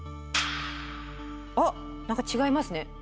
あっ何か違いますね。